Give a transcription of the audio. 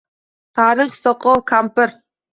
Tarix soqov kampir